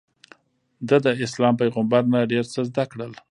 ده داسلام پیغمبر نه ډېر څه زده کړل.